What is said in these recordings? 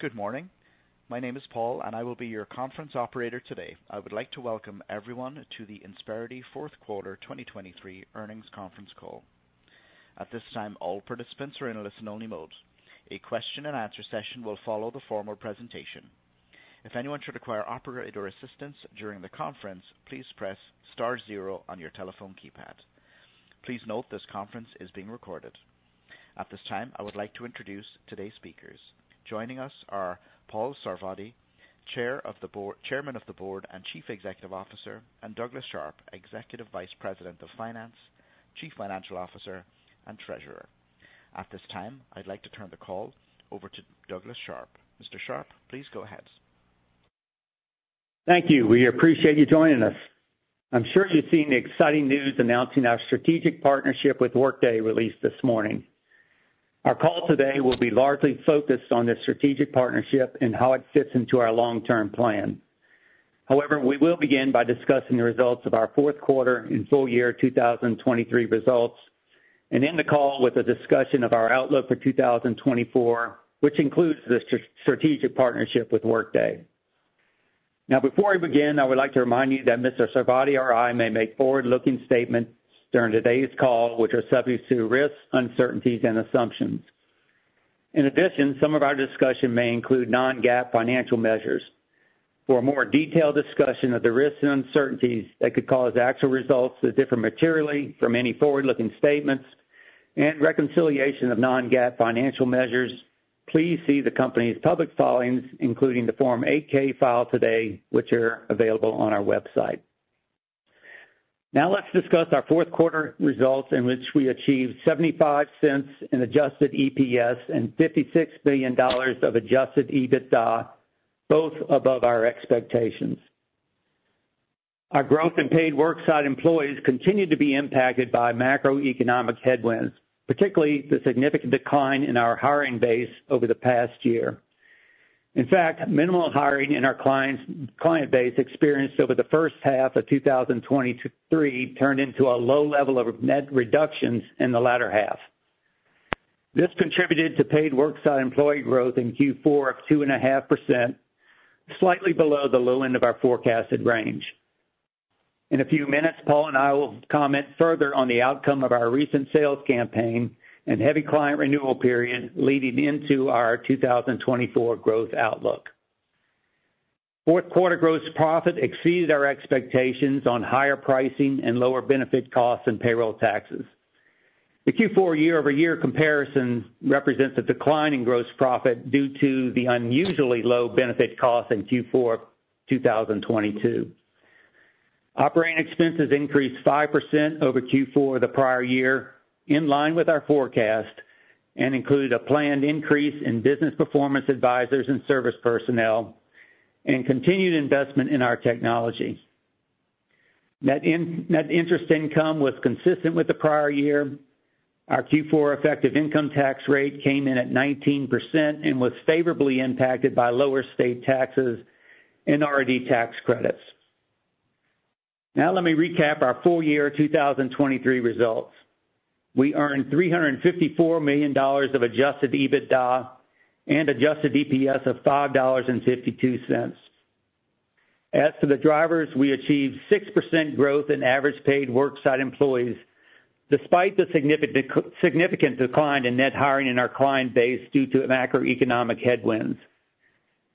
Good morning. My name is Paul, and I will be your conference operator today. I would like to welcome everyone to the Insperity Fourth Quarter 2023 Earnings Conference Call. At this time, all participants are in listen-only mode. A question-and-answer session will follow the formal presentation. If anyone should require operator assistance during the conference, please press star zero on your telephone keypad. Please note, this conference is being recorded. At this time, I would like to introduce today's speakers. Joining us are Paul Sarvadi, Chair of the Board - Chairman of the Board and Chief Executive Officer, and Douglas Sharp, Executive Vice President of Finance, Chief Financial Officer, and Treasurer. At this time, I'd like to turn the call over to Douglas Sharp. Mr. Sharp, please go ahead. Thank you. We appreciate you joining us. I'm sure you've seen the exciting news announcing our strategic partnership with Workday released this morning. Our call today will be largely focused on this strategic partnership and how it fits into our long-term plan. However, we will begin by discussing the results of our fourth quarter and full year 2023 results, and end the call with a discussion of our outlook for 2024, which includes the strategic partnership with Workday. Now, before we begin, I would like to remind you that Mr. Sarvadi or I may make forward-looking statements during today's call, which are subject to risks, uncertainties, and assumptions. In addition, some of our discussion may include non-GAAP financial measures. For a more detailed discussion of the risks and uncertainties that could cause actual results to differ materially from any forward-looking statements and reconciliation of non-GAAP financial measures, please see the company's public filings, including the Form 8-K filed today, which are available on our website. Now, let's discuss our fourth quarter results, in which we achieved $0.75 in Adjusted EPS and $56 billion of Adjusted EBITDA, both above our expectations. Our growth in paid worksite employees continued to be impacted by macroeconomic headwinds, particularly the significant decline in our hiring base over the past year. In fact, minimal hiring in our client's client base experienced over the first half of 2023 turned into a low level of net reductions in the latter half. This contributed to paid worksite employee growth in Q4 of 2.5%, slightly below the low end of our forecasted range. In a few minutes, Paul and I will comment further on the outcome of our recent sales campaign and heavy client renewal period leading into our 2024 growth outlook. Fourth quarter gross profit exceeded our expectations on higher pricing and lower benefit costs and payroll taxes. The Q4 year-over-year comparison represents a decline in gross profit due to the unusually low benefit costs in Q4 2022. Operating expenses increased 5% over Q4 the prior year, in line with our forecast, and included a planned increase in Business Performance Advisors and service personnel and continued investment in our technology. Net interest income was consistent with the prior year. Our Q4 effective income tax rate came in at 19% and was favorably impacted by lower state taxes and R&D tax credits. Now let me recap our full year 2023 results. We earned $354 million of Adjusted EBITDA and Adjusted EPS of $5.52. As to the drivers, we achieved 6% growth in average paid worksite employees, despite the significant decline in net hiring in our client base due to macroeconomic headwinds.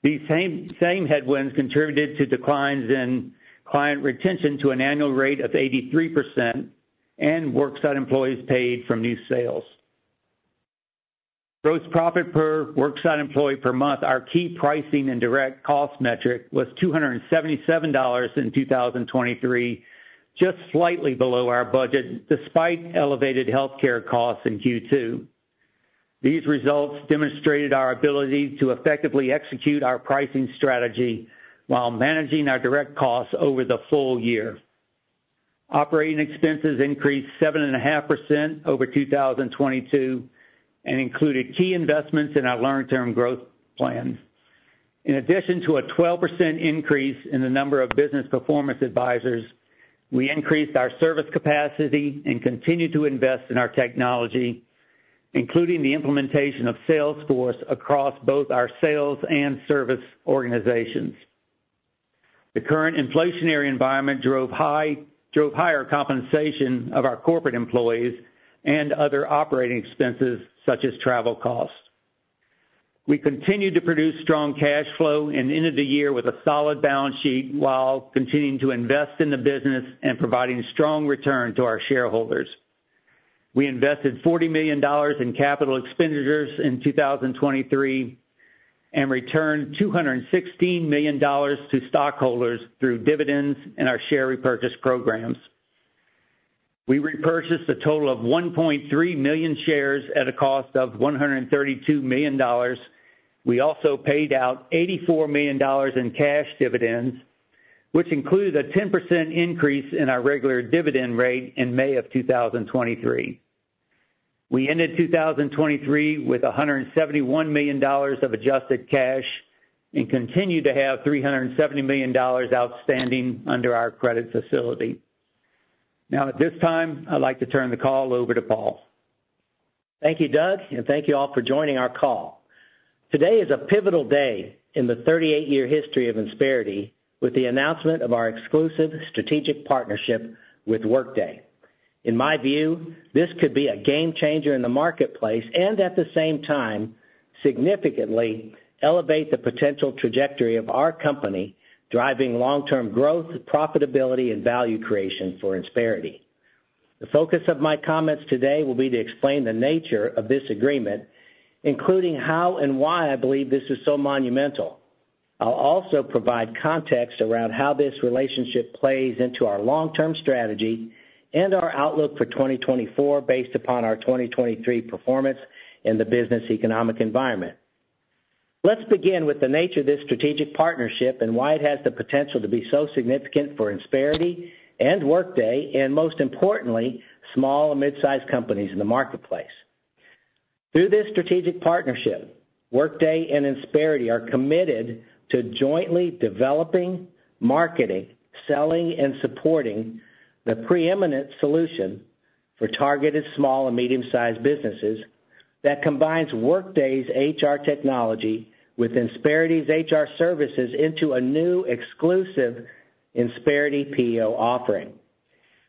These same headwinds contributed to declines in client retention to an annual rate of 83% and worksite employees paid from new sales. Gross profit per worksite employee per month, our key pricing and direct cost metric, was $277 in 2023, just slightly below our budget, despite elevated healthcare costs in Q2. These results demonstrated our ability to effectively execute our pricing strategy while managing our direct costs over the full year. Operating expenses increased 7.5% over 2022 and included key investments in our long-term growth plans. In addition to a 12% increase in the number of Business Performance Advisors, we increased our service capacity and continued to invest in our technology, including the implementation of Salesforce across both our sales and service organizations. The current inflationary environment drove higher compensation of our corporate employees and other operating expenses, such as travel costs. We continued to produce strong cash flow and ended the year with a solid balance sheet, while continuing to invest in the business and providing strong return to our shareholders. We invested $40 million in capital expenditures in 2023 and returned $216 million to stockholders through dividends and our share repurchase programs. We repurchased a total of 1.3 million shares at a cost of $132 million. We also paid out $84 million in cash dividends, which includes a 10% increase in our regular dividend rate in May 2023. We ended 2023 with $171 million of adjusted cash and continued to have $370 million outstanding under our credit facility. Now, at this time, I'd like to turn the call over to Paul. Thank you, Doug, and thank you all for joining our call. Today is a pivotal day in the 38-year history of Insperity, with the announcement of our exclusive strategic partnership with Workday. In my view, this could be a game changer in the marketplace and at the same time, significantly elevate the potential trajectory of our company, driving long-term growth, profitability, and value creation for Insperity. The focus of my comments today will be to explain the nature of this agreement, including how and why I believe this is so monumental. I'll also provide context around how this relationship plays into our long-term strategy and our outlook for 2024, based upon our 2023 performance and the business economic environment. Let's begin with the nature of this strategic partnership and why it has the potential to be so significant for Insperity and Workday, and most importantly, small and mid-sized companies in the marketplace. Through this strategic partnership, Workday and Insperity are committed to jointly developing, marketing, selling, and supporting the preeminent solution for targeted small and medium-sized businesses, that combines Workday's HR technology with Insperity's HR services into a new exclusive Insperity PEO offering.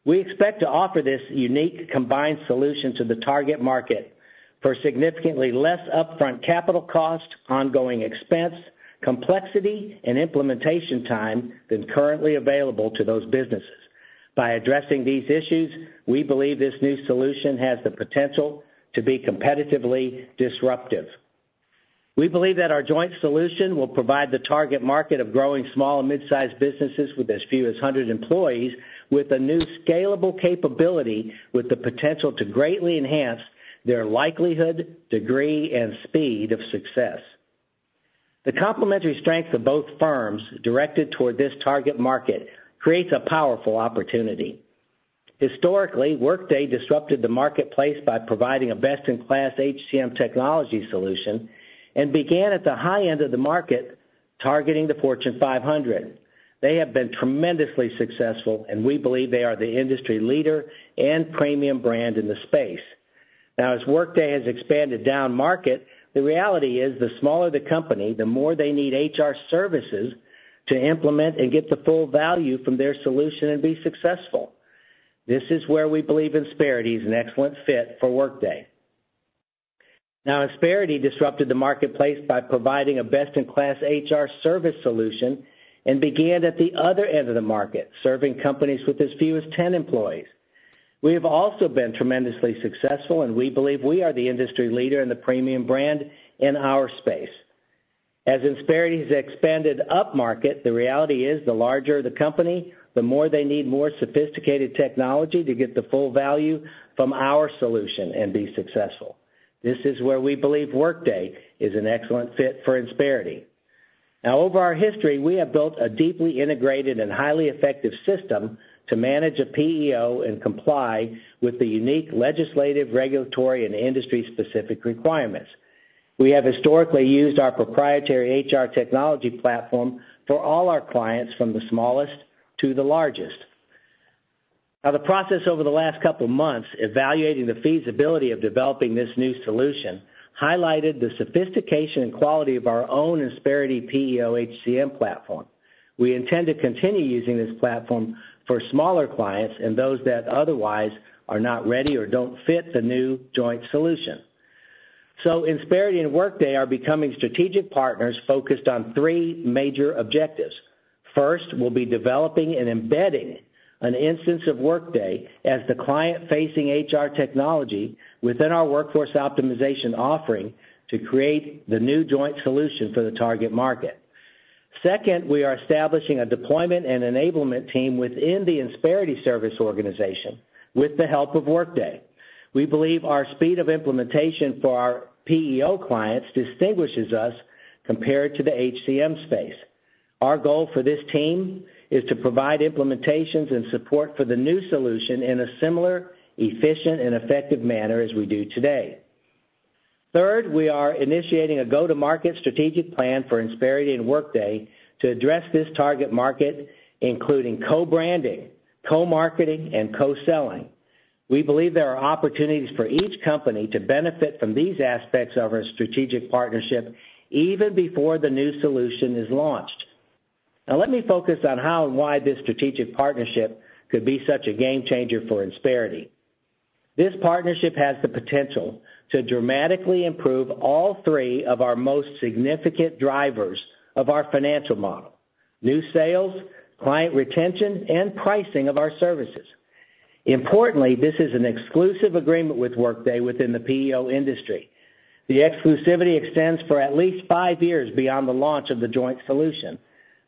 We expect to offer this unique combined solution to the target market for significantly less upfront capital cost, ongoing expense, complexity, and implementation time than currently available to those businesses. By addressing these issues, we believe this new solution has the potential to be competitively disruptive. We believe that our joint solution will provide the target market of growing small and mid-sized businesses with as few as 100 employees, with a new scalable capability, with the potential to greatly enhance their likelihood, degree, and speed of success. The complementary strength of both firms directed toward this target market creates a powerful opportunity. Historically, Workday disrupted the marketplace by providing a best-in-class HCM technology solution, and began at the high end of the market, targeting the Fortune 500. They have been tremendously successful, and we believe they are the industry leader and premium brand in the space. Now, as Workday has expanded downmarket, the reality is, the smaller the company, the more they need HR services to implement and get the full value from their solution and be successful. This is where we believe Insperity is an excellent fit for Workday. Now, Insperity disrupted the marketplace by providing a best-in-class HR service solution and began at the other end of the market, serving companies with as few as 10 employees. We have also been tremendously successful, and we believe we are the industry leader and the premium brand in our space. As Insperity has expanded upmarket, the reality is, the larger the company, the more they need more sophisticated technology to get the full value from our solution and be successful. This is where we believe Workday is an excellent fit for Insperity. Now, over our history, we have built a deeply integrated and highly effective system to manage a PEO and comply with the unique legislative, regulatory, and industry-specific requirements. We have historically used our proprietary HR technology platform for all our clients, from the smallest to the largest. Now, the process over the last couple of months, evaluating the feasibility of developing this new solution, highlighted the sophistication and quality of our own Insperity PEO HCM platform. We intend to continue using this platform for smaller clients and those that otherwise are not ready or don't fit the new joint solution. Insperity and Workday are becoming strategic partners focused on three major objectives. First, we'll be developing and embedding an instance of Workday as the client-facing HR technology within our Workforce Optimization offering to create the new joint solution for the target market. Second, we are establishing a deployment and enablement team within the Insperity service organization with the help of Workday. We believe our speed of implementation for our PEO clients distinguishes us compared to the HCM space. Our goal for this team is to provide implementations and support for the new solution in a similar, efficient, and effective manner as we do today. Third, we are initiating a go-to-market strategic plan for Insperity and Workday to address this target market, including co-branding, co-marketing, and co-selling. We believe there are opportunities for each company to benefit from these aspects of our strategic partnership even before the new solution is launched. Now, let me focus on how and why this strategic partnership could be such a game changer for Insperity. This partnership has the potential to dramatically improve all three of our most significant drivers of our financial model: new sales, client retention, and pricing of our services. Importantly, this is an exclusive agreement with Workday within the PEO industry. The exclusivity extends for at least five years beyond the launch of the joint solution.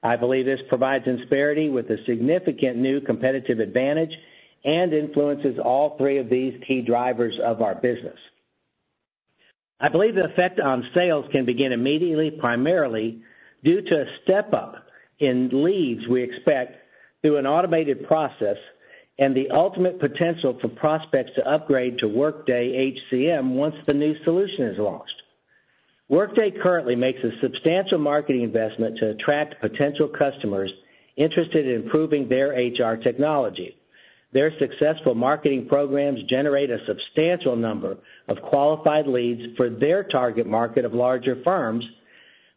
I believe this provides Insperity with a significant new competitive advantage and influences all three of these key drivers of our business. I believe the effect on sales can begin immediately, primarily due to a step-up in leads we expect through an automated process, and the ultimate potential for prospects to upgrade to Workday HCM once the new solution is launched. Workday currently makes a substantial marketing investment to attract potential customers interested in improving their HR technology. Their successful marketing programs generate a substantial number of qualified leads for their target market of larger firms.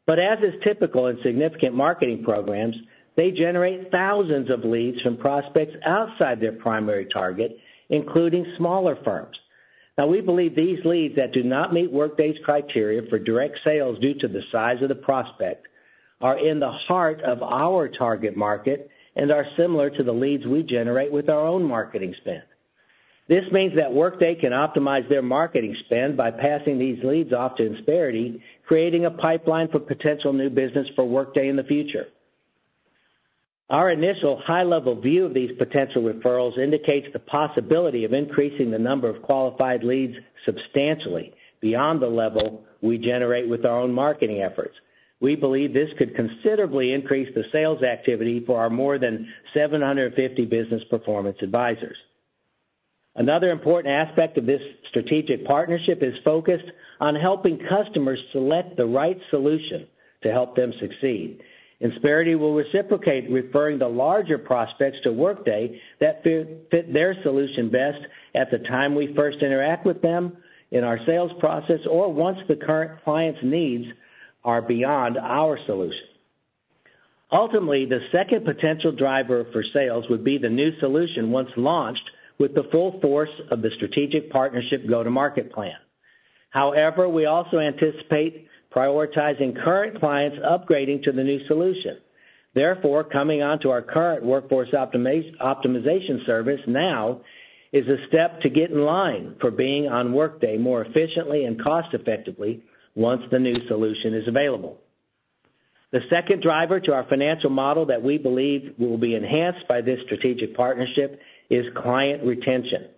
But as is typical in significant marketing programs, they generate thousands of leads from prospects outside their primary target, including smaller firms. Now, we believe these leads that do not meet Workday's criteria for direct sales due to the size of the prospect, are in the heart of our target market and are similar to the leads we generate with our own marketing spend. This means that Workday can optimize their marketing spend by passing these leads off to Insperity, creating a pipeline for potential new business for Workday in the future. Our initial high-level view of these potential referrals indicates the possibility of increasing the number of qualified leads substantially beyond the level we generate with our own marketing efforts. We believe this could considerably increase the sales activity for our more than 750 Business Performance Advisors. Another important aspect of this strategic partnership is focused on helping customers select the right solution to help them succeed. Insperity will reciprocate, referring the larger prospects to Workday that fit, fit their solution best at the time we first interact with them in our sales process, or once the current client's needs are beyond our solution. Ultimately, the second potential driver for sales would be the new solution once launched, with the full force of the strategic partnership go-to-market plan. However, we also anticipate prioritizing current clients upgrading to the new solution. Therefore, coming onto our current Workforce Optimization service now is a step to get in line for being on Workday more efficiently and cost-effectively once the new solution is available. The second driver to our financial model that we believe will be enhanced by this strategic partnership is client retention.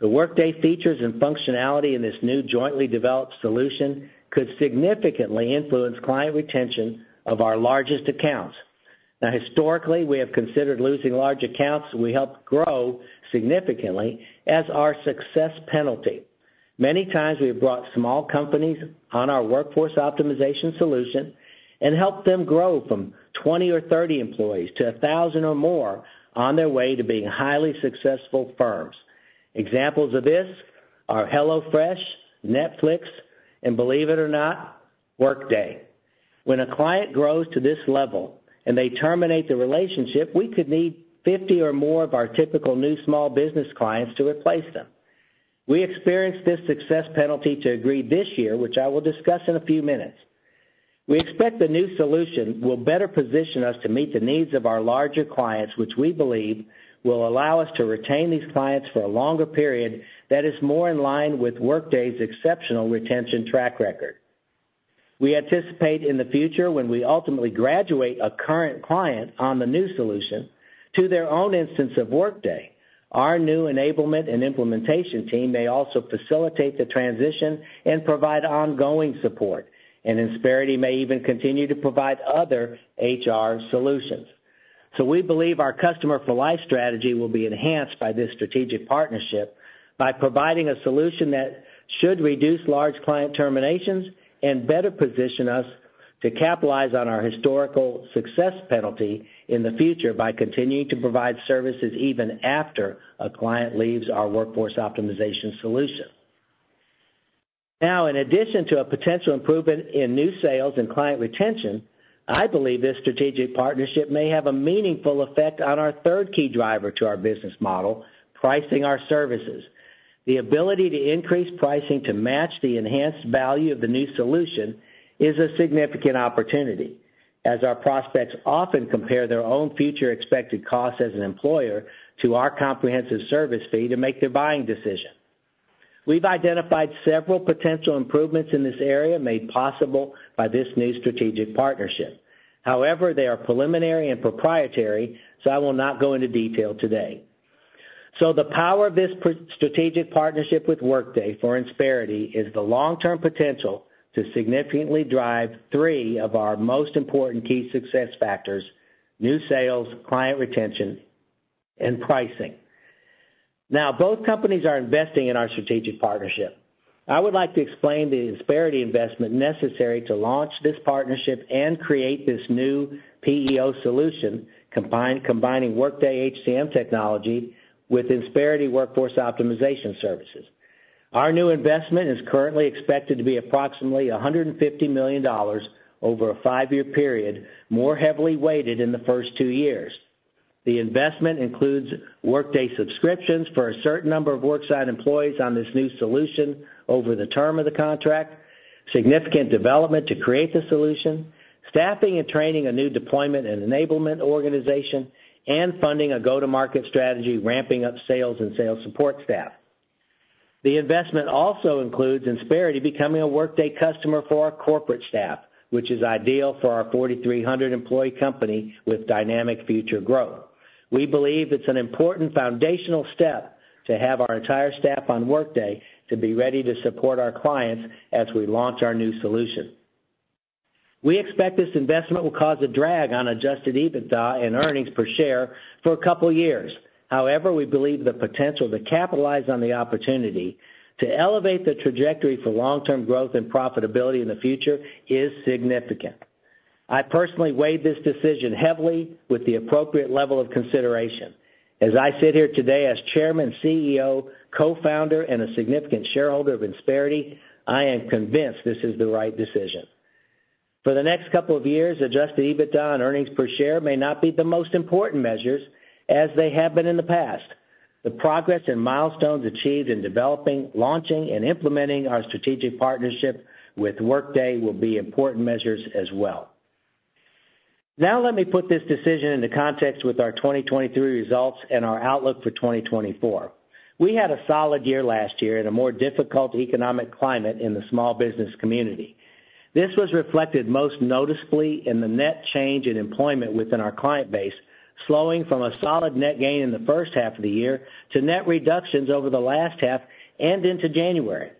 The Workday features and functionality in this new jointly developed solution could significantly influence client retention of our largest accounts. Now, historically, we have considered losing large accounts we helped grow significantly as our success penalty. Many times, we have brought small companies on our Workforce Optimization solution and helped them grow from 20 or 30 employees to 1,000 or more on their way to being highly successful firms. Examples of this are HelloFresh, Netflix, and believe it or not, Workday. When a client grows to this level and they terminate the relationship, we could need 50 or more of our typical new small business clients to replace them. We experienced this success penalty to a degree this year, which I will discuss in a few minutes. We expect the new solution will better position us to meet the needs of our larger clients, which we believe will allow us to retain these clients for a longer period that is more in line with Workday's exceptional retention track record. We anticipate in the future, when we ultimately graduate a current client on the new solution to their own instance of Workday, our new enablement and implementation team may also facilitate the transition and provide ongoing support, and Insperity may even continue to provide other HR solutions. So we believe our Customer for Life strategy will be enhanced by this strategic partnership by providing a solution that should reduce large client terminations and better position us to capitalize on our historical success penalty in the future by continuing to provide services even after a client leaves our Workforce Optimization solution. Now, in addition to a potential improvement in new sales and client retention, I believe this strategic partnership may have a meaningful effect on our third key driver to our business model, pricing our services. The ability to increase pricing to match the enhanced value of the new solution is a significant opportunity, as our prospects often compare their own future expected costs as an employer to our comprehensive service fee to make their buying decision. We've identified several potential improvements in this area made possible by this new strategic partnership. However, they are preliminary and proprietary, so I will not go into detail today. So the power of this strategic partnership with Workday for Insperity is the long-term potential to significantly drive three of our most important key success factors: new sales, client retention, and pricing. Now, both companies are investing in our strategic partnership. I would like to explain the Insperity investment necessary to launch this partnership and create this new PEO solution, combining Workday HCM technology with Insperity Workforce Optimization services. Our new investment is currently expected to be approximately $150 million over a five-year period, more heavily weighted in the first two years. The investment includes Workday subscriptions for a certain number of worksite employees on this new solution over the term of the contract, significant development to create the solution, staffing and training a new deployment and enablement organization, and funding a go-to-market strategy, ramping up sales and sales support staff. The investment also includes Insperity becoming a Workday customer for our corporate staff, which is ideal for our 4,300-employee company with dynamic future growth. We believe it's an important foundational step to have our entire staff on Workday to be ready to support our clients as we launch our new solution. We expect this investment will cause a drag on Adjusted EBITDA and earnings per share for a couple of years. However, we believe the potential to capitalize on the opportunity to elevate the trajectory for long-term growth and profitability in the future is significant. I personally weighed this decision heavily with the appropriate level of consideration. As I sit here today as Chairman, CEO, co-founder, and a significant shareholder of Insperity, I am convinced this is the right decision. For the next couple of years, Adjusted EBITDA and earnings per share may not be the most important measures as they have been in the past. The progress and milestones achieved in developing, launching, and implementing our strategic partnership with Workday will be important measures as well. Now, let me put this decision into context with our 2023 results and our outlook for 2024. We had a solid year last year in a more difficult economic climate in the small business community. This was reflected most noticeably in the net change in employment within our client base, slowing from a solid net gain in the first half of the year to net reductions over the last half and into January.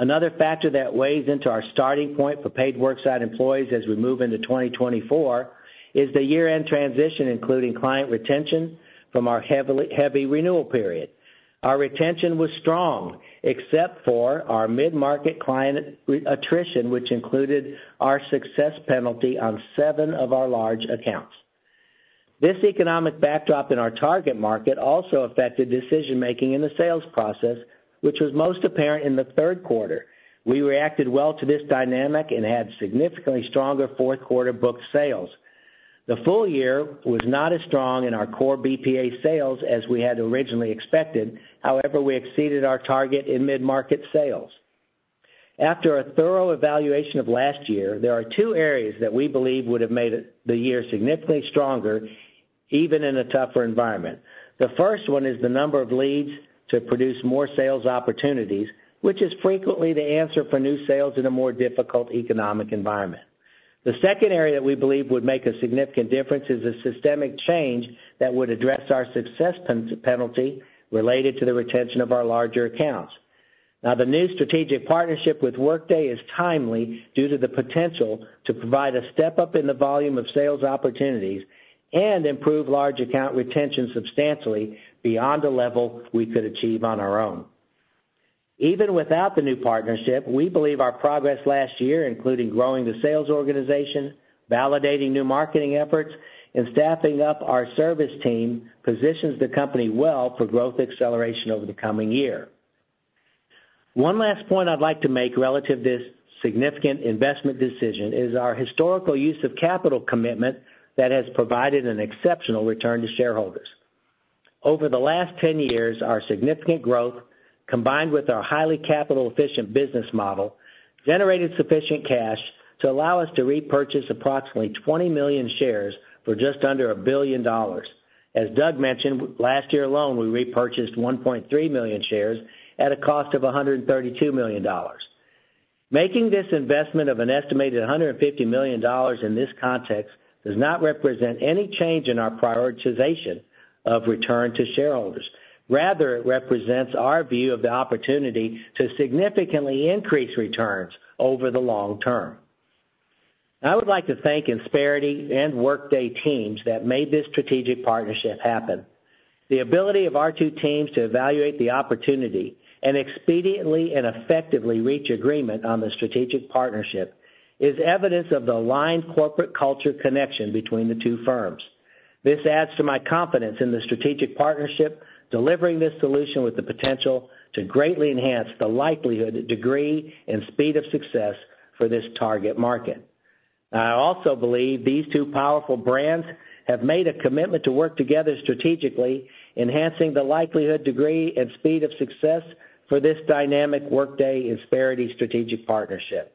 Another factor that weighs into our starting point for paid worksite employees as we move into 2024, is the year-end transition, including client retention from our heavy renewal period. Our retention was strong, except for our mid-market client renewal attrition, which included our success penalty on seven of our large accounts. This economic backdrop in our target market also affected decision-making in the sales process, which was most apparent in the third quarter. We reacted well to this dynamic and had significantly stronger fourth quarter booked sales. The full year was not as strong in our core BPA sales as we had originally expected. However, we exceeded our target in mid-market sales. After a thorough evaluation of last year, there are two areas that we believe would have made it, the year significantly stronger, even in a tougher environment. The first one is the number of leads to produce more sales opportunities, which is frequently the answer for new sales in a more difficult economic environment. The second area that we believe would make a significant difference is a systemic change that would address our success penalty related to the retention of our larger accounts. Now, the new strategic partnership with Workday is timely due to the potential to provide a step-up in the volume of sales opportunities and improve large account retention substantially beyond the level we could achieve on our own. Even without the new partnership, we believe our progress last year, including growing the sales organization, validating new marketing efforts, and staffing up our service team, positions the company well for growth acceleration over the coming year. One last point I'd like to make relative to this significant investment decision is our historical use of capital commitment that has provided an exceptional return to shareholders. Over the last 10 years, our significant growth, combined with our highly capital-efficient business model, generated sufficient cash to allow us to repurchase approximately 20 million shares for just under $1 billion. As Doug mentioned, last year alone, we repurchased 1.3 million shares at a cost of $132 million. Making this investment of an estimated $150 million in this context, does not represent any change in our prioritization of return to shareholders. Rather, it represents our view of the opportunity to significantly increase returns over the long term. I would like to thank Insperity and Workday teams that made this strategic partnership happen. The ability of our two teams to evaluate the opportunity and expediently and effectively reach agreement on the strategic partnership is evidence of the aligned corporate culture connection between the two firms. This adds to my confidence in the strategic partnership, delivering this solution with the potential to greatly enhance the likelihood, degree, and speed of success for this target market. I also believe these two powerful brands have made a commitment to work together strategically, enhancing the likelihood, degree, and speed of success for this dynamic Workday-Insperity strategic partnership.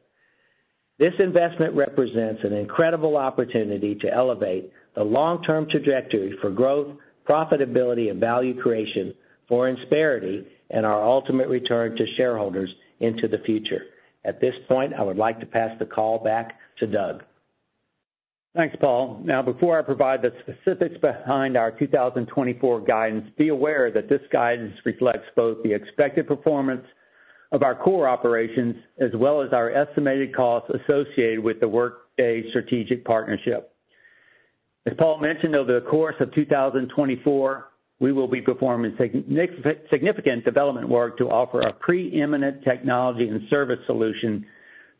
This investment represents an incredible opportunity to elevate the long-term trajectory for growth, profitability, and value creation for Insperity and our ultimate return to shareholders into the future. At this point, I would like to pass the call back to Doug. Thanks, Paul. Now, before I provide the specifics behind our 2024 guidance, be aware that this guidance reflects both the expected performance of our core operations as well as our estimated costs associated with the Workday strategic partnership. As Paul mentioned, over the course of 2024, we will be performing significant development work to offer a preeminent technology and service solution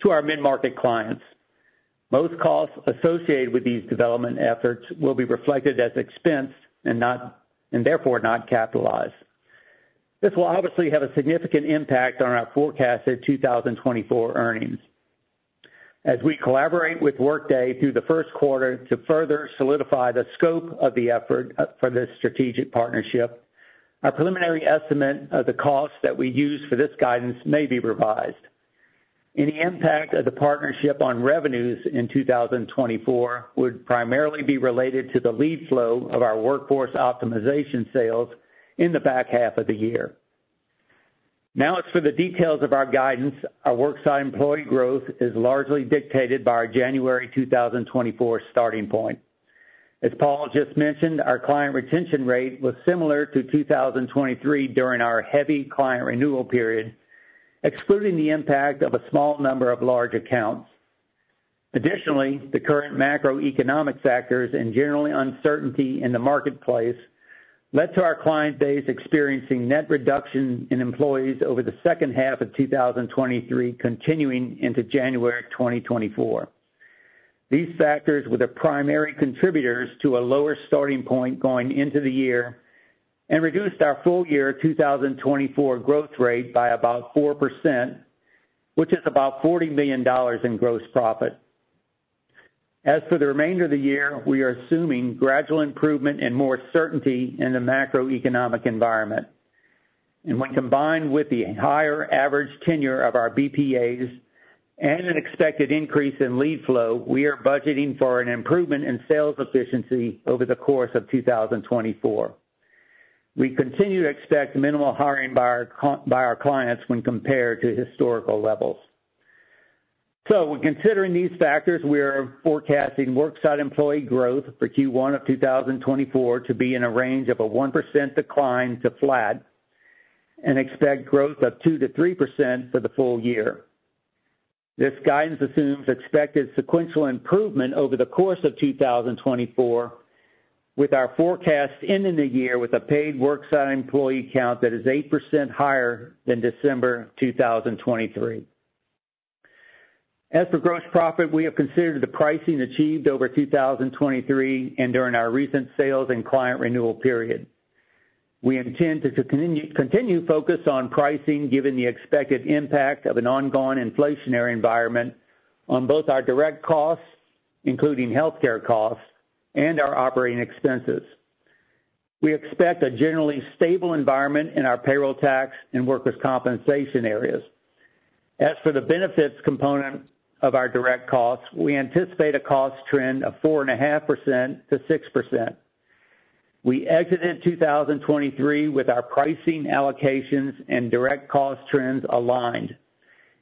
to our mid-market clients. Most costs associated with these development efforts will be reflected as expense and therefore not capitalized. This will obviously have a significant impact on our forecasted 2024 earnings. As we collaborate with Workday through the first quarter to further solidify the scope of the effort, for this strategic partnership, our preliminary estimate of the costs that we use for this guidance may be revised. Any impact of the partnership on revenues in 2024 would primarily be related to the lead flow of our Workforce Optimization sales in the back half of the year. Now, as for the details of our guidance, our Worksite Employee growth is largely dictated by our January 2024 starting point. As Paul just mentioned, our client retention rate was similar to 2023 during our heavy client renewal period, excluding the impact of a small number of large accounts. Additionally, the current macroeconomic factors and general uncertainty in the marketplace led to our client base experiencing net reduction in employees over the second half of 2023, continuing into January 2024. These factors were the primary contributors to a lower starting point going into the year and reduced our full year 2024 growth rate by about 4%, which is about $40 million in gross profit. As for the remainder of the year, we are assuming gradual improvement and more certainty in the macroeconomic environment. And when combined with the higher average tenure of our BPAs and an expected increase in lead flow, we are budgeting for an improvement in sales efficiency over the course of 2024. We continue to expect minimal hiring by our clients when compared to historical levels. So when considering these factors, we are forecasting worksite employee growth for Q1 of 2024 to be in a range of a 1% decline to flat, and expect growth of 2%-3% for the full year. This guidance assumes expected sequential improvement over the course of 2024, with our forecast ending the year with a paid worksite employee count that is 8% higher than December 2023. As for gross profit, we have considered the pricing achieved over 2023 and during our recent sales and client renewal period. We intend to continue to focus on pricing, given the expected impact of an ongoing inflationary environment on both our direct costs, including healthcare costs, and our operating expenses. We expect a generally stable environment in our payroll tax and workers' compensation areas. As for the benefits component of our direct costs, we anticipate a cost trend of 4.5%-6%. We exited 2023 with our pricing allocations and direct cost trends aligned,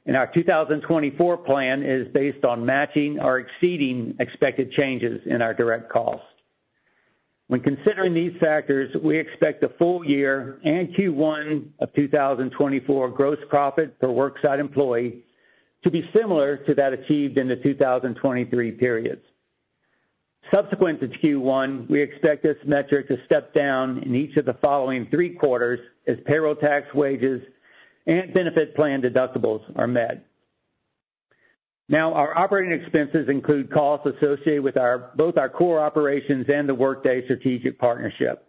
and our 2024 plan is based on matching or exceeding expected changes in our direct costs. When considering these factors, we expect the full year and Q1 of 2024 gross profit per worksite employee to be similar to that achieved in the 2023 periods. Subsequent to Q1, we expect this metric to step down in each of the following three quarters as payroll tax wages and benefit plan deductibles are met. Now, our operating expenses include costs associated with both our core operations and the Workday strategic partnership.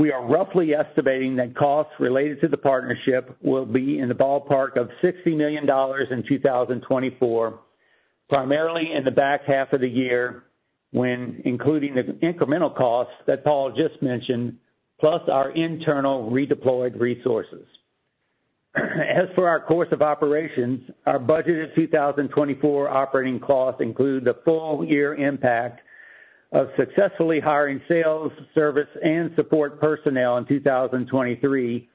We are roughly estimating that costs related to the partnership will be in the ballpark of $60 million in 2024, primarily in the back half of the year, when including the incremental costs that Paul just mentioned, plus our internal redeployed resources. As for our course of operations, our budgeted 2024 operating costs include the full year impact of successfully hiring sales, service, and support personnel in 2023,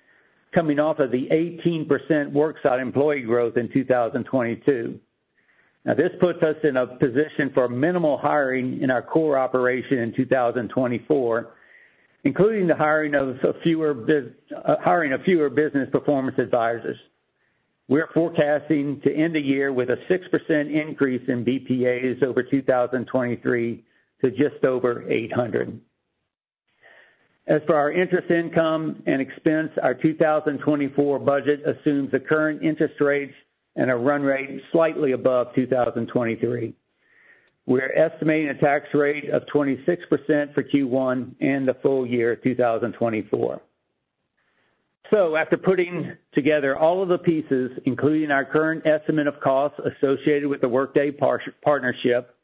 coming off of the 18% worksite employee growth in 2022. Now, this puts us in a position for minimal hiring in our core operation in 2024, including the hiring of a fewer Business Performance Advisors. We're forecasting to end the year with a 6% increase in BPAs over 2023 to just over 800. As for our interest income and expense, our 2024 budget assumes the current interest rates and a run rate slightly above 2023. We're estimating a tax rate of 26% for Q1 and the full year 2024. So after putting together all of the pieces, including our current estimate of costs associated with the Workday partnership,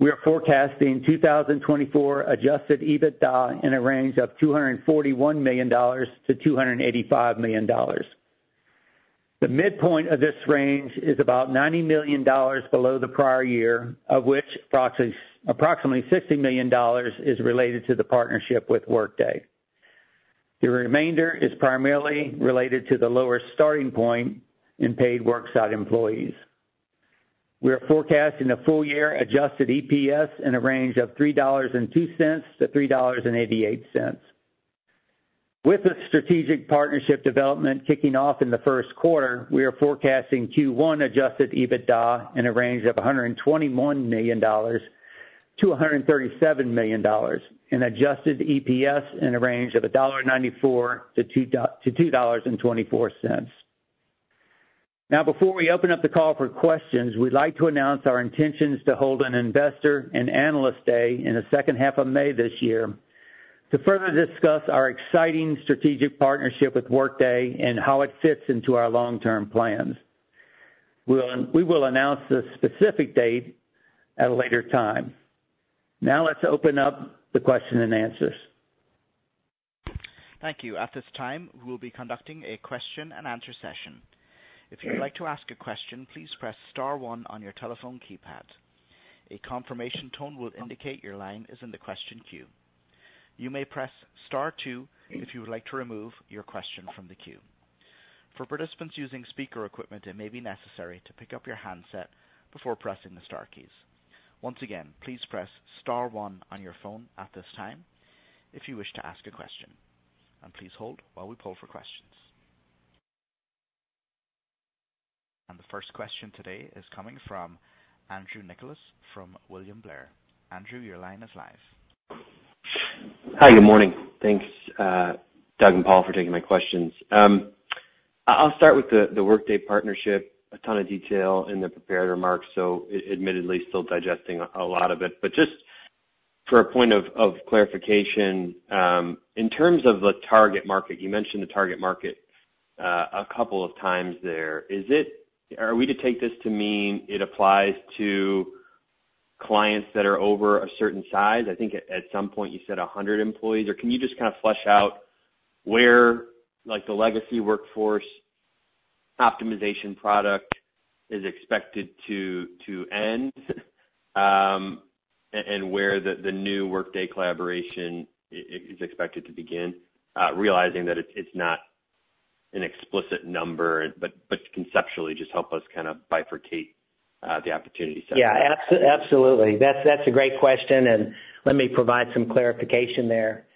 we are forecasting 2024 Adjusted EBITDA in a range of $241 million-$285 million. The midpoint of this range is about $90 million below the prior year, of which approximately $60 million is related to the partnership with Workday. The remainder is primarily related to the lower starting point in paid worksite employees. We are forecasting a full year Adjusted EPS in a range of $3.02-$3.88. With the strategic partnership development kicking off in the first quarter, we are forecasting Q1 Adjusted EBITDA in a range of $121 million-$137 million, and Adjusted EPS in a range of $1.94-$2.24. Now, before we open up the call for questions, we'd like to announce our intentions to hold an Investor and Analyst Day in the second half of May this year, to further discuss our exciting strategic partnership with Workday and how it fits into our long-term plans. We will announce the specific date at a later time. Now, let's open up the question and answers. Thank you. At this time, we'll be conducting a question and answer session. If you would like to ask a question, please press star one on your telephone keypad. A confirmation tone will indicate your line is in the question queue. You may press star two if you would like to remove your question from the queue. For participants using speaker equipment, it may be necessary to pick up your handset before pressing the star keys. Once again, please press star one on your phone at this time if you wish to ask a question. And please hold while we pull for questions. And the first question today is coming from Andrew Nicholas from William Blair. Andrew, your line is live. Hi, good morning. Thanks, Doug and Paul, for taking my questions. I'll start with the Workday partnership. A ton of detail in the prepared remarks, so admittedly still digesting a lot of it. But just for a point of clarification, in terms of the target market, you mentioned the target market a couple of times there. Are we to take this to mean it applies to clients that are over a certain size? I think at some point you said 100 employees, or can you just kind of flesh out where, like, the legacy Workforce Optimization product is expected to end, and where the new Workday collaboration is expected to begin? Realizing that it's not an explicit number, but conceptually, just help us kind of bifurcate the opportunity set. Yeah, absolutely. That's a great question, and let me provide some clarification there.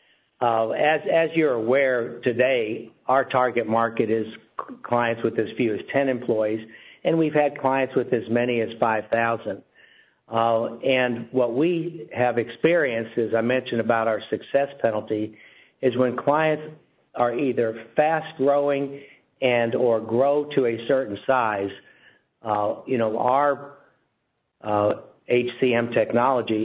As you're aware, today, our target market is clients with as few as 10 employees, and we've had clients with as many as 5,000. And what we have experienced, as I mentioned about our success penalty, is when clients are either fast-growing and/or grow to a certain size, you know, our HCM technology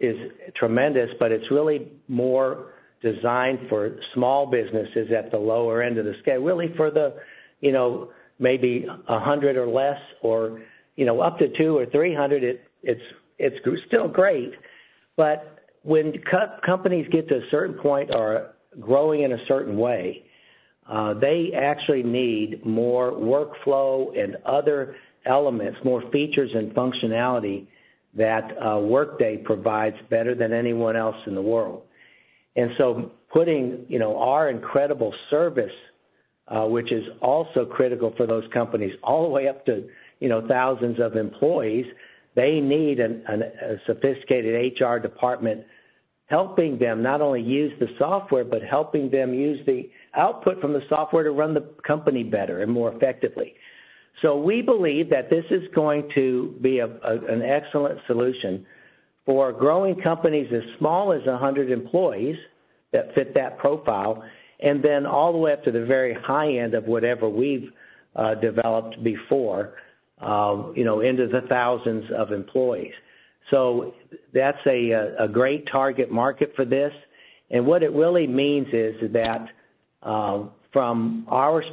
is tremendous, but it's really more designed for small businesses at the lower end of the scale, really for the, you know, maybe 100 or less, or, you know, up to 200 or 300, it's still great. But when companies get to a certain point or are growing in a certain way, they actually need more workflow and other elements, more features, and functionality that Workday provides better than anyone else in the world. And so putting, you know, our incredible service, which is also critical for those companies all the way up to, you know, thousands of employees, they need a sophisticated HR department, helping them not only use the software, but helping them use the output from the software to run the company better and more effectively. So we believe that this is going to be an excellent solution for growing companies as small as 100 employees that fit that profile, and then all the way up to the very high end of whatever we've developed before, you know, into the thousands of employees. So that's a great target market for this. And what it really means is that, from our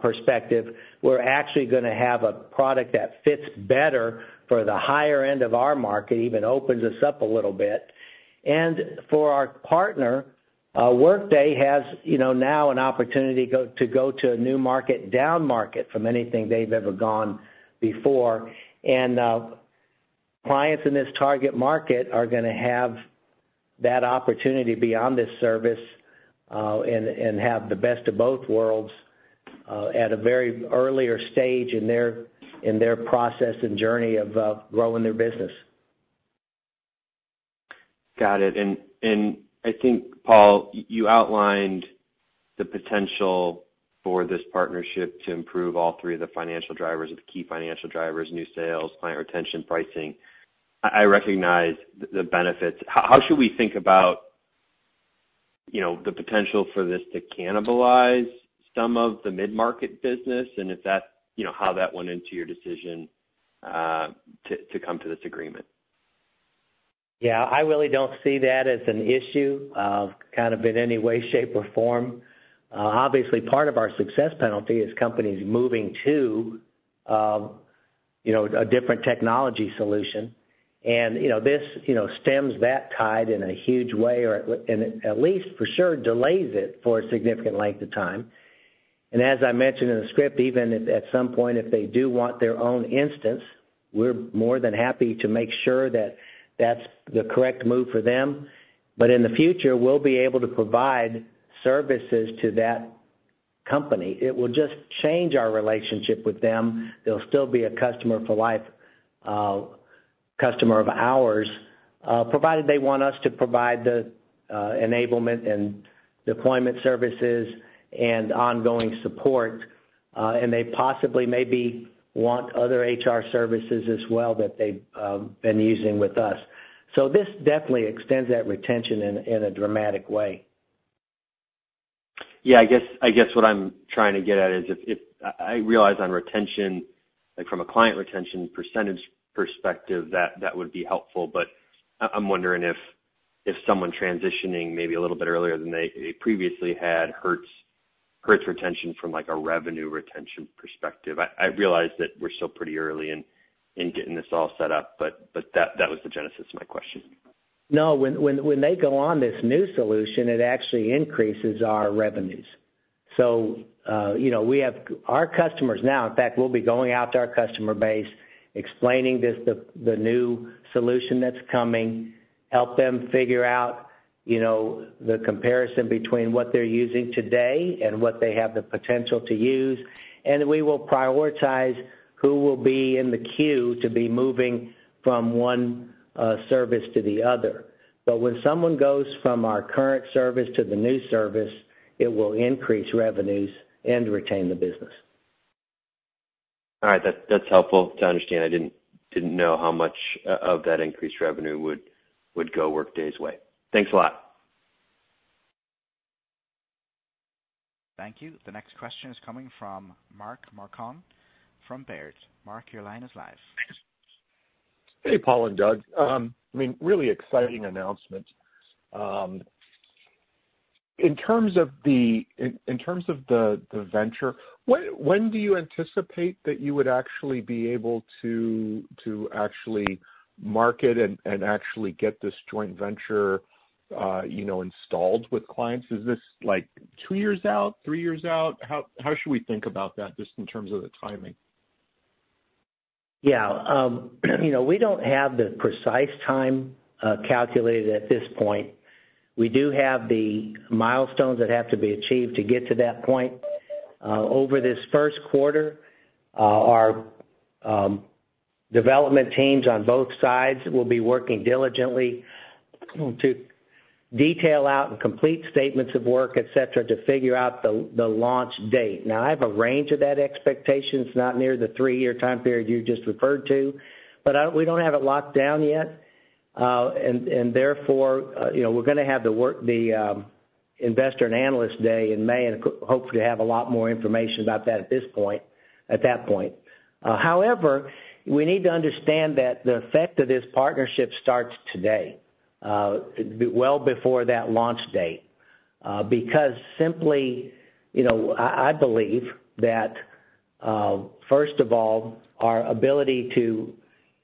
perspective, we're actually gonna have a product that fits better for the higher end of our market, even opens us up a little bit. And for our partner, Workday has, you know, now an opportunity to go to a new market, downmarket from anything they've ever gone before. And, clients in this target market are gonna have that opportunity to be on this service, and have the best of both worlds, at a very earlier stage in their, in their process and journey of, growing their business. Got it. And I think, Paul, you outlined the potential for this partnership to improve all three of the financial drivers, the key financial drivers: new sales, client retention, pricing. I recognize the benefits. How should we think about, you know, the potential for this to cannibalize some of the mid-market business, and if that's, you know, how that went into your decision to come to this agreement? Yeah, I really don't see that as an issue, kind of in any way, shape, or form. Obviously, part of our success penalty is companies moving to, you know, a different technology solution. And, you know, this, you know, stems that tide in a huge way, or and it, at least for sure, delays it for a significant length of time. And as I mentioned in the script, even if at some point, if they do want their own instance, we're more than happy to make sure that that's the correct move for them. But in the future, we'll be able to provide services to that company. It will just change our relationship with them. They'll still be a Customer for life, customer of ours, provided they want us to provide the enablement and deployment services and ongoing support, and they possibly maybe want other HR services as well that they've been using with us. So this definitely extends that retention in a dramatic way. Yeah, I guess what I'm trying to get at is if... I realize on retention, like from a client retention percentage perspective, that would be helpful. But I'm wondering if someone transitioning maybe a little bit earlier than they previously had hurts retention from, like, a revenue retention perspective. I realize that we're still pretty early in getting this all set up, but that was the genesis of my question. No, when they go on this new solution, it actually increases our revenues. So, you know, we have our customers now. In fact, we'll be going out to our customer base, explaining this, the new solution that's coming, help them figure out, you know, the comparison between what they're using today and what they have the potential to use. And we will prioritize who will be in the queue to be moving from one service to the other. But when someone goes from our current service to the new service, it will increase revenues and retain the business. All right. That's helpful to understand. I didn't know how much of that increased revenue would go Workday's way. Thanks a lot. Thank you. The next question is coming from Mark Marcon from Baird. Mark, your line is live. Hey, Paul and Doug. I mean, really exciting announcement. In terms of the venture, when do you anticipate that you would actually be able to actually market and actually get this joint venture, you know, installed with clients? Is this, like, two years out, three years out? How should we think about that, just in terms of the timing? Yeah, you know, we don't have the precise time calculated at this point. We do have the milestones that have to be achieved to get to that point. Over this first quarter, our development teams on both sides will be working diligently to detail out and complete statements of work, et cetera, to figure out the launch date. Now, I have a range of that expectation. It's not near the three-year time period you just referred to, but we don't have it locked down yet. And therefore, you know, we're gonna have the Investor and Analyst Day in May, and hopefully have a lot more information about that at that point. However, we need to understand that the effect of this partnership starts today, well before that launch date. Because simply, you know, I believe that, first of all, our ability to,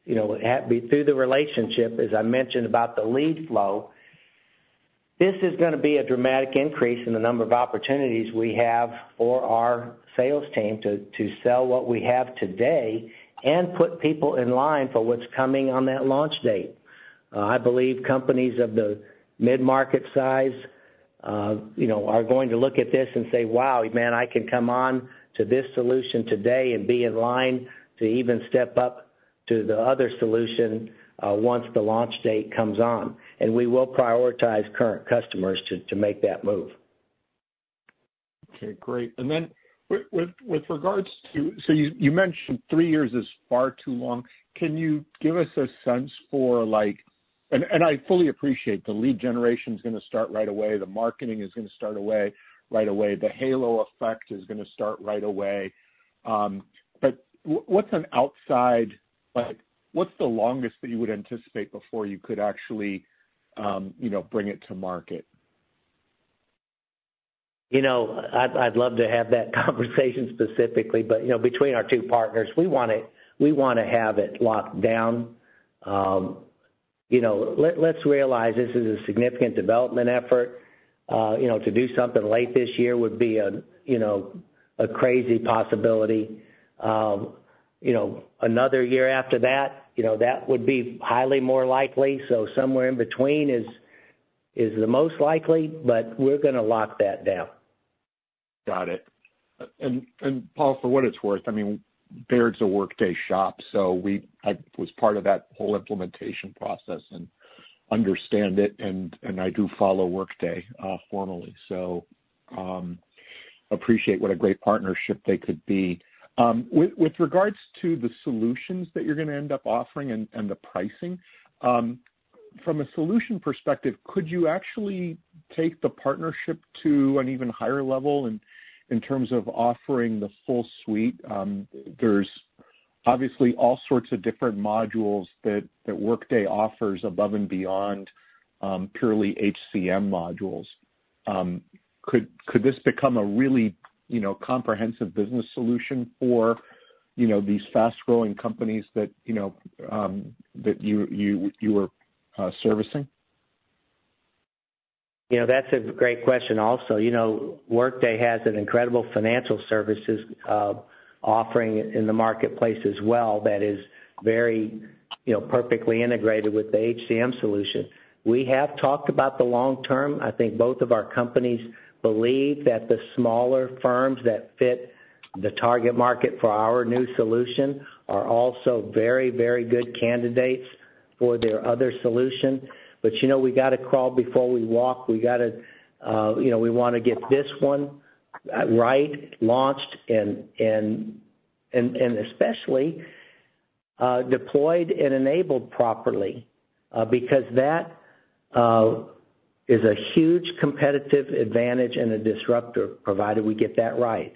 you know, have through the relationship, as I mentioned about the lead flow, this is gonna be a dramatic increase in the number of opportunities we have for our sales team to sell what we have today and put people in line for what's coming on that launch date. I believe companies of the mid-market size, you know, are going to look at this and say, "Wow, man, I can come on to this solution today and be in line to even step up to the other solution once the launch date comes on." And we will prioritize current customers to make that move. Okay, great. And then with regards to... So you mentioned three years is far too long. Can you give us a sense for, like... And I fully appreciate the lead generation's gonna start right away, the marketing is gonna start right away, the halo effect is gonna start right away. But what's an outside, like, what's the longest that you would anticipate before you could actually, you know, bring it to market? You know, I'd love to have that conversation specifically, but you know, between our two partners, we wanna have it locked down. You know, let's realize this is a significant development effort. You know, to do something late this year would be a crazy possibility. You know, another year after that would be highly more likely, so somewhere in between is the most likely, but we're gonna lock that down. Got it. Paul, for what it's worth, I mean, Baird's a Workday shop, so we. I was part of that whole implementation process and understand it, and I do follow Workday formally, so appreciate what a great partnership they could be. With regards to the solutions that you're gonna end up offering and the pricing, from a solution perspective, could you actually take the partnership to an even higher level in terms of offering the full suite? There's obviously all sorts of different modules that Workday offers above and beyond purely HCM modules. Could this become a really, you know, comprehensive business solution for, you know, these fast-growing companies that, you know, you are servicing? You know, that's a great question also. You know, Workday has an incredible financial services offering in the marketplace as well that is very, you know, perfectly integrated with the HCM solution. We have talked about the long term. I think both of our companies believe that the smaller firms that fit the target market for our new solution are also very, very good candidates for their other solution. But, you know, we gotta crawl before we walk. We gotta, you know, we wanna get this one right, launched, and especially deployed and enabled properly, because that is a huge competitive advantage and a disruptor, provided we get that right.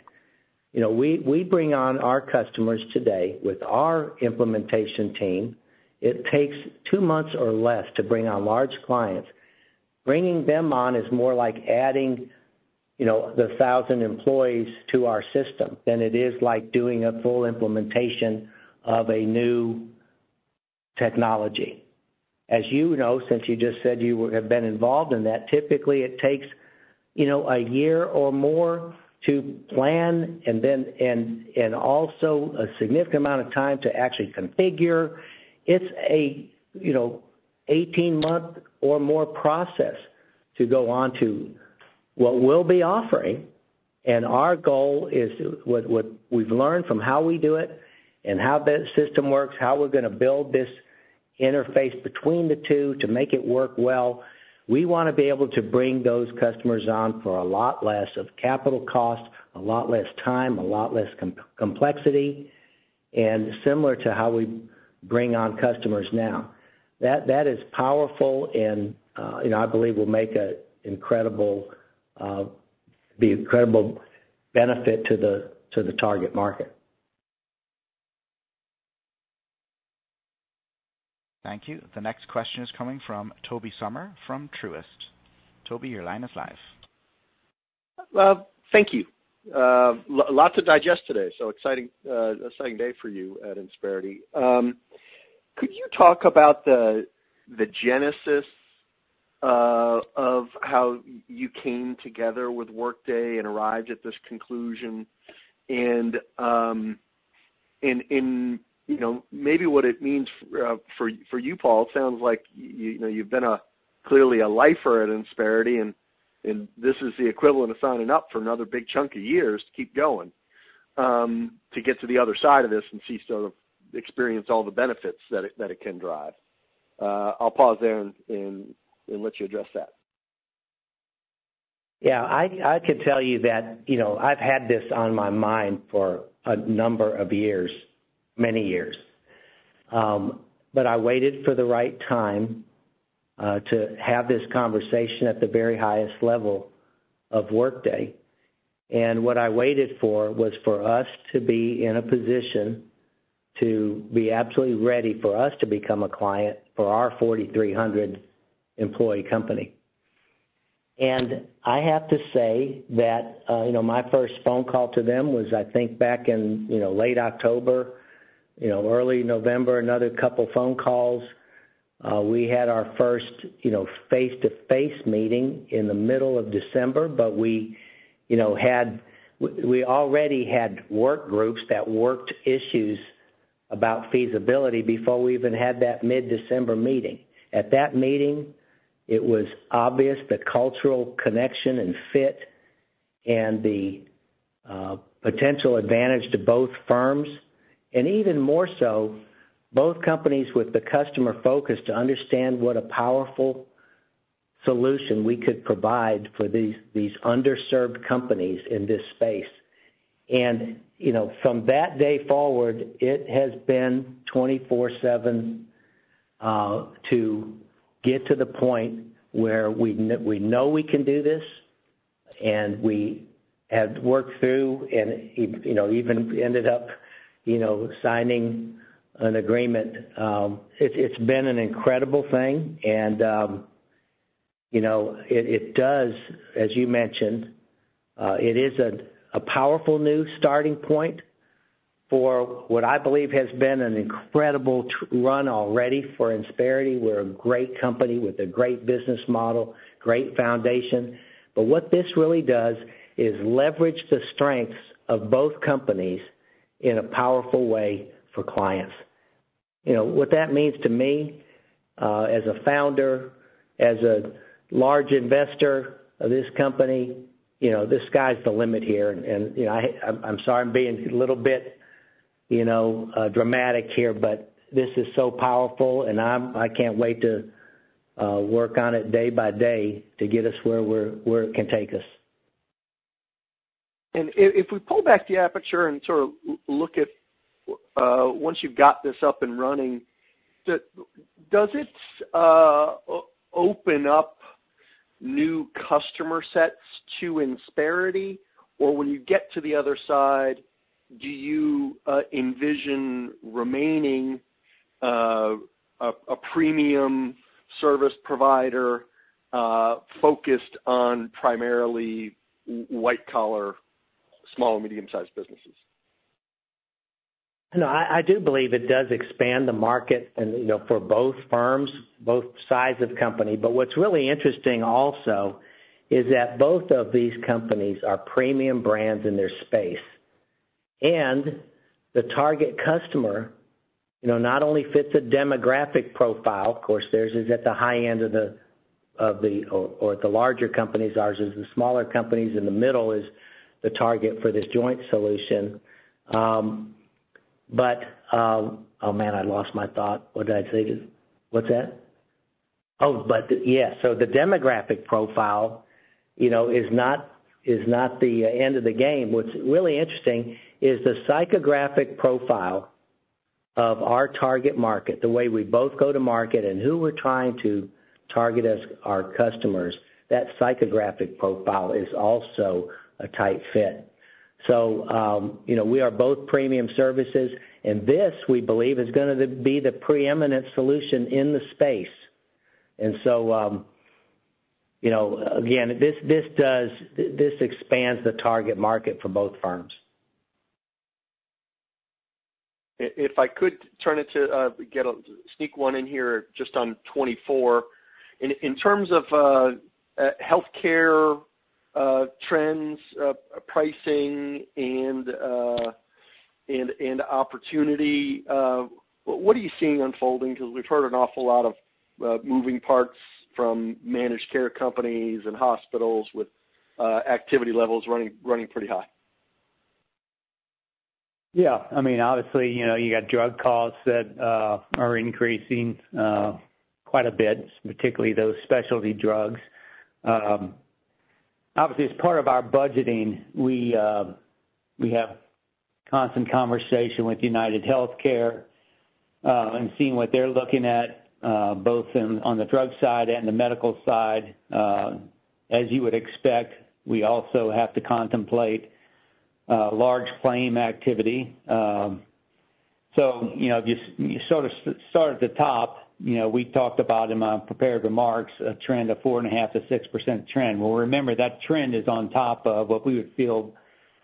You know, we bring on our customers today with our implementation team. It takes two months or less to bring on large clients. Bringing them on is more like adding, you know, 1,000 employees to our system than it is like doing a full implementation of a new technology. As you know, since you just said you have been involved in that, typically it takes—you know—a year or more to plan, and then also a significant amount of time to actually configure. It's a, you know, 18-month or more process to go on to what we'll be offering. And our goal is what we've learned from how we do it and how that system works, how we're gonna build this interface between the two to make it work well. We wanna be able to bring those customers on for a lot less of capital cost, a lot less time, a lot less complexity, and similar to how we bring on customers now. That is powerful, and I believe will make an incredible benefit to the target market. Thank you. The next question is coming from Tobey Sommer, from Truist. Tobey, your line is live. Well, thank you. A lot to digest today, so exciting, exciting day for you at Insperity. Could you talk about the genesis of how you came together with Workday and arrived at this conclusion? And, you know, maybe what it means for you, Paul. It sounds like, you know, you've been clearly a lifer at Insperity, and this is the equivalent of signing up for another big chunk of years to keep going, to get to the other side of this and see, sort of, experience all the benefits that it can drive. I'll pause there and let you address that. Yeah, I could tell you that, you know, I've had this on my mind for a number of years, many years. But I waited for the right time to have this conversation at the very highest level of Workday. And what I waited for was for us to be in a position to be absolutely ready for us to become a client for our 4,300-employee company. And I have to say that, you know, my first phone call to them was, I think, back in, you know, late October, early November, another couple phone calls. We had our first, you know, face-to-face meeting in the middle of December, but we, you know, already had work groups that worked issues about feasibility before we even had that mid-December meeting. At that meeting, it was obvious the cultural connection and fit and the potential advantage to both firms, and even more so, both companies with the customer focus to understand what a powerful solution we could provide for these underserved companies in this space. You know, from that day forward, it has been 24/7 to get to the point where we know we can do this, and we have worked through and, you know, even ended up, you know, signing an agreement. It's been an incredible thing, and you know, it does, as you mentioned, it is a powerful new starting point for what I believe has been an incredible run already for Insperity. We're a great company with a great business model, great foundation. But what this really does is leverage the strengths of both companies in a powerful way for clients. You know, what that means to me, as a founder, as a large investor of this company, you know, the sky's the limit here. And, you know, I'm sorry, I'm being a little bit, you know, dramatic here, but this is so powerful, and I can't wait to work on it day by day to get us where it can take us. If we pull back the aperture and sort of look at, once you've got this up and running, does it open up new customer sets to Insperity? Or when you get to the other side, do you envision remaining a premium service provider focused on primarily white collar, small and medium-sized businesses? No, I do believe it does expand the market and, you know, for both firms, both sides of the company. But what's really interesting also is that both of these companies are premium brands in their space. And the target customer, you know, not only fits a demographic profile, of course, theirs is at the high end of the larger companies, ours is the smaller companies, in the middle is the target for this joint solution. But yeah, so the demographic profile, you know, is not the end of the game. What's really interesting is the psychographic profile of our target market, the way we both go to market and who we're trying to target as our customers. That psychographic profile is also a tight fit. So, you know, we are both premium services, and this, we believe, is gonna be the preeminent solution in the space. And so, you know, again, this, this does, this expands the target market for both firms. If I could turn it to get a sneak one in here just on 2024. In terms of healthcare trends, pricing, and opportunity, what are you seeing unfolding? Because we've heard an awful lot of moving parts from managed care companies and hospitals with activity levels running pretty high. Yeah. I mean, obviously, you know, you got drug costs that are increasing quite a bit, particularly those specialty drugs. Obviously, as part of our budgeting, we have constant conversation with UnitedHealthcare and seeing what they're looking at both in, on the drug side and the medical side. As you would expect, we also have to contemplate large claim activity. So, you know, if you sort of start at the top, you know, we talked about in my prepared remarks, a trend of 4.5%-6% trend. Well, remember, that trend is on top of what we would feel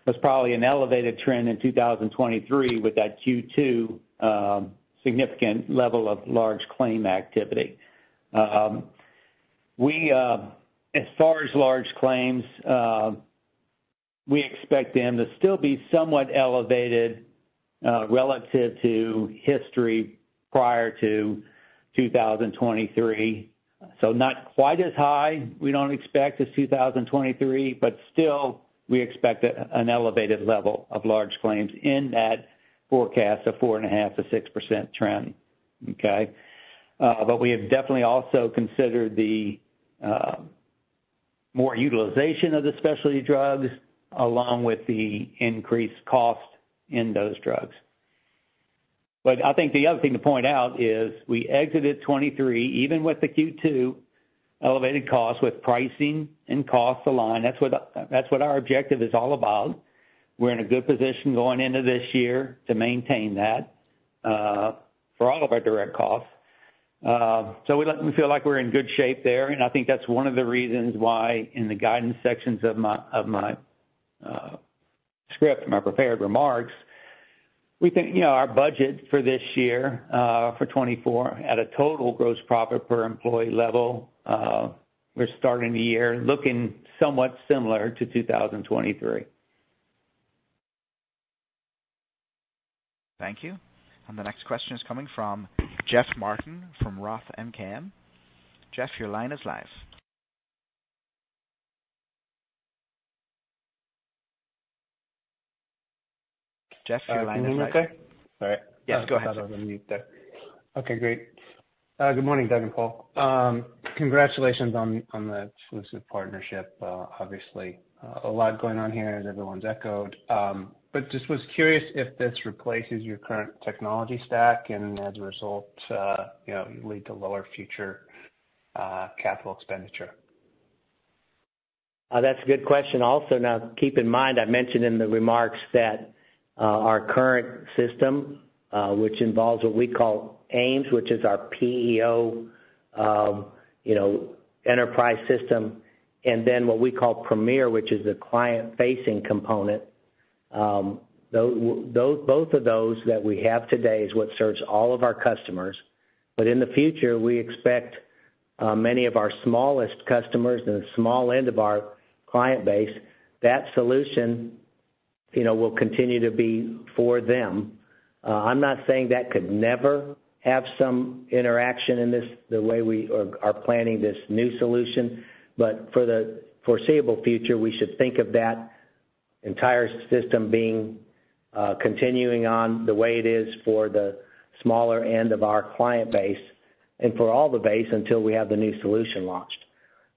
was probably an elevated trend in 2023 with that Q2 significant level of large claim activity. We, as far as large claims, we expect them to still be somewhat elevated, relative to history prior to 2023. So not quite as high, we don't expect as 2023, but still, we expect an elevated level of large claims in that forecast of 4.5%-6% trend. Okay? But we have definitely also considered the more utilization of the specialty drugs, along with the increased cost in those drugs. But I think the other thing to point out is, we exited 2023, even with the Q2 elevated costs, with pricing and costs aligned. That's what, that's what our objective is all about. We're in a good position going into this year to maintain that, for all of our direct costs. So we feel like we're in good shape there, and I think that's one of the reasons why, in the guidance sections of my script, my prepared remarks, we think, you know, our budget for this year, for 2024, at a total gross profit per employee level, we're starting the year looking somewhat similar to 2023. Thank you. The next question is coming from Jeff Martin from Roth MKM. Jeff, your line is live. Jeff, your line is live. Can you hear me okay? All right. Yes, go ahead. I was on mute there. Okay, great. Good morning, Doug and Paul. Congratulations on the exclusive partnership. Obviously, a lot going on here, as everyone's echoed. But just was curious if this replaces your current technology stack, and as a result, you know, lead to lower future capital expenditure? That's a good question also. Now, keep in mind, I mentioned in the remarks that, our current system, which involves what we call AIMS, which is our PEO, you know, enterprise system, and then what we call Premier, which is the client-facing component. Those, both of those that we have today is what serves all of our customers. But in the future, we expect, many of our smallest customers in the small end of our client base, that solution, you know, will continue to be for them. I'm not saying that could never have some interaction in this, the way we are, are planning this new solution, but for the foreseeable future, we should think of that entire system being continuing on the way it is for the smaller end of our client base and for all the base, until we have the new solution launched.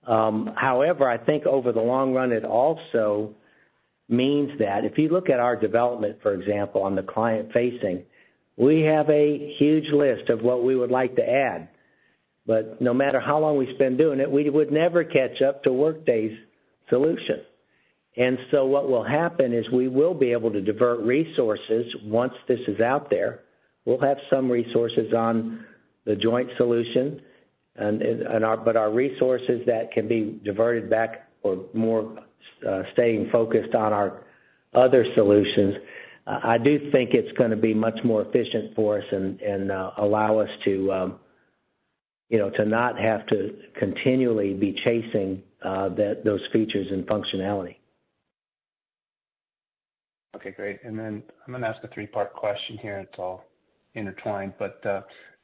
However, I think over the long run, it also means that if you look at our development, for example, on the client-facing, we have a huge list of what we would like to add, but no matter how long we spend doing it, we would never catch up to Workday's solution. And so what will happen is we will be able to divert resources once this is out there. We'll have some resources on the joint solution, but our resources that can be diverted back or more, staying focused on our other solutions. I do think it's gonna be much more efficient for us and allow us to, you know, to not have to continually be chasing those features and functionality. Okay, great. And then I'm gonna ask a three-part question here, and it's all intertwined. But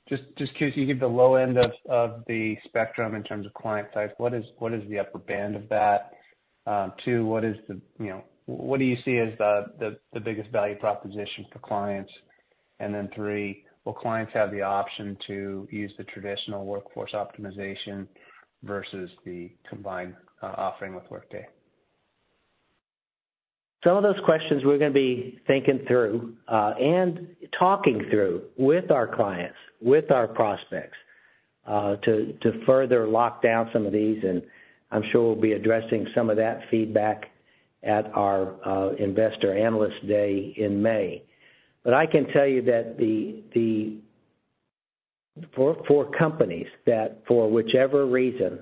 just because you give the low end of the spectrum in terms of client type, what is the upper band of that? Two, what do you see as the biggest value proposition for clients? And then three, will clients have the option to use the traditional Workforce Optimization versus the combined offering with Workday? Some of those questions we're gonna be thinking through and talking through with our clients, with our prospects, to further lock down some of these. I'm sure we'll be addressing some of that feedback at our Investor Analyst Day in May. But I can tell you that the, the- For companies that, for whichever reason,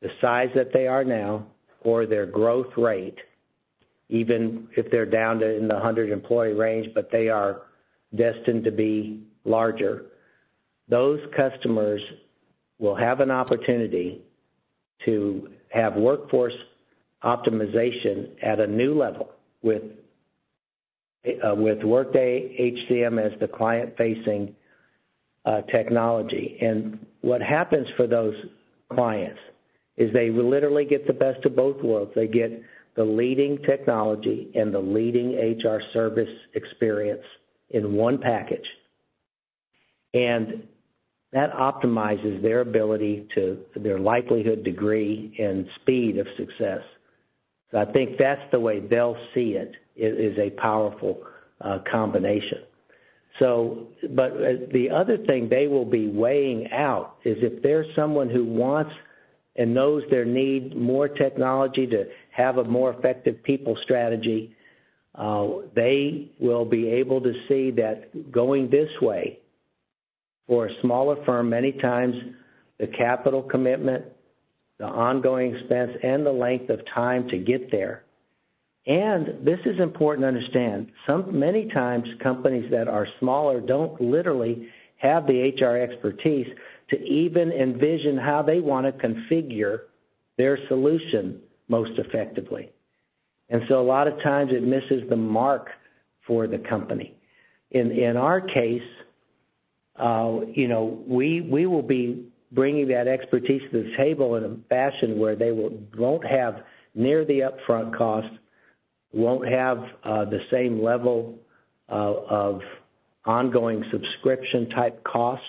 the size that they are now, or their growth rate, even if they're down to in the 100-employee range, but they are destined to be larger, those customers will have an opportunity to have Workforce Optimization at a new level with Workday HCM as the client-facing technology. And what happens for those clients is they will literally get the best of both worlds. They get the leading technology and the leading HR service experience in one package. And that optimizes their ability to their likelihood, degree, and speed of success. So I think that's the way they'll see it, is a powerful combination. But the other thing they will be weighing out is if there's someone who wants and knows they need more technology to have a more effective people strategy, they will be able to see that going this way for a smaller firm, many times the capital commitment, the ongoing expense, and the length of time to get there. This is important to understand. Many times, companies that are smaller don't literally have the HR expertise to even envision how they want to configure their solution most effectively. And so a lot of times it misses the mark for the company. In our case, you know, we will be bringing that expertise to the table in a fashion where they won't have near the upfront cost, won't have the same level of ongoing subscription-type costs.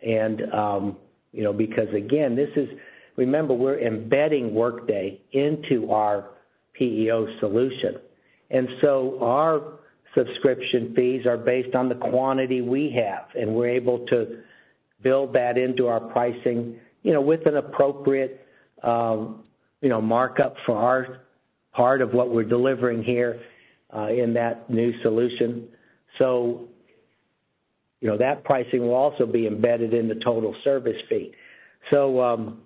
You know, because, again, this is. Remember, we're embedding Workday into our PEO solution, and so our subscription fees are based on the quantity we have, and we're able to build that into our pricing, you know, with an appropriate, you know, markup for our part of what we're delivering here, in that new solution. So, you know, that pricing will also be embedded in the total service fee. So,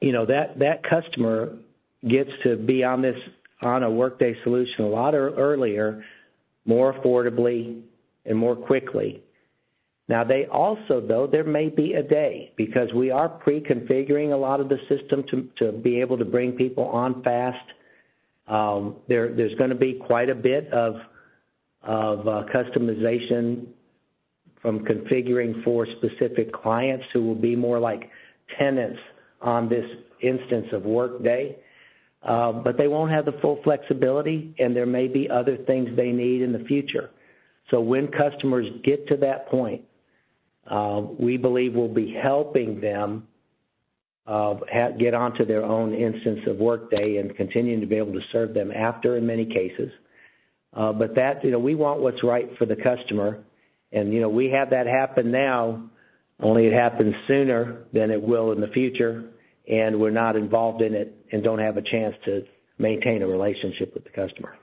you know, that customer gets to be on this, on a Workday solution a lot earlier, more affordably and more quickly. Now, they also, though, there may be a day, because we are preconfiguring a lot of the system to be able to bring people on fast. There's gonna be quite a bit of customization from configuring for specific clients who will be more like tenants on this instance of Workday. But they won't have the full flexibility, and there may be other things they need in the future. So when customers get to that point, we believe we'll be helping them get onto their own instance of Workday and continuing to be able to serve them after, in many cases. But that, you know, we want what's right for the customer. You know, we have that happen now, only it happens sooner than it will in the future, and we're not involved in it and don't have a chance to maintain a relationship with the customer.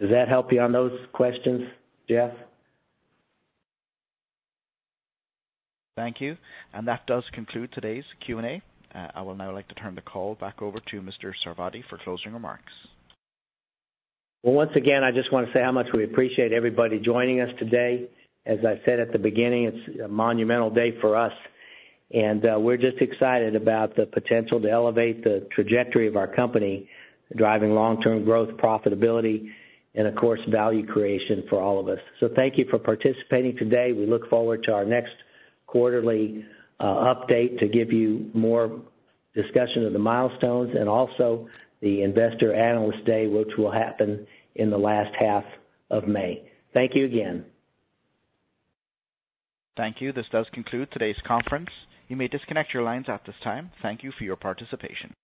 Does that help you on those questions, Jeff? Thank you. That does conclude today's Q&A. I would now like to turn the call back over to Mr. Sarvadi for closing remarks. Well, once again, I just want to say how much we appreciate everybody joining us today. As I said at the beginning, it's a monumental day for us, and we're just excited about the potential to elevate the trajectory of our company, driving long-term growth, profitability, and, of course, value creation for all of us. So thank you for participating today. We look forward to our next quarterly update to give you more discussion of the milestones and also the Investor Analyst Day, which will happen in the last half of May. Thank you again. Thank you. This does conclude today's conference. You may disconnect your lines at this time. Thank you for your participation.